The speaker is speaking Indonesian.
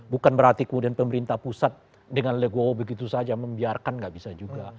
bukan berarti kemudian pemerintah pusat dengan legowo begitu saja membiarkan nggak bisa juga